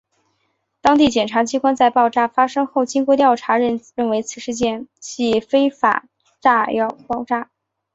当地检察机关在爆炸发生后经过调查认为此事件系非法炸药爆炸。